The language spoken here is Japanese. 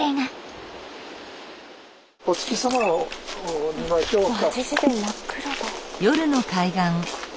お月様を見ましょうか。